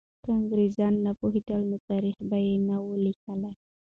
که انګریزان نه پوهېدل، نو تاریخ به یې نه وو لیکلی.